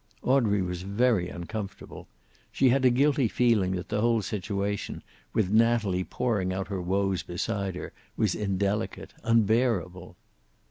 Audrey was very uncomfortable. She had a guilty feeling that the whole situation, with Natalie pouring out her woes beside her, was indelicate, unbearable.